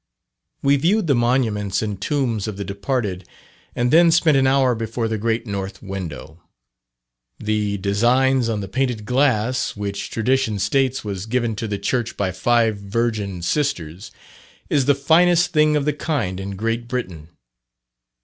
We viewed the monuments and tombs of the departed, and then spent an hour before the great north window. The designs on the painted glass, which tradition states was given to the church by five virgin sisters, is the finest thing of the kind in Great Britain.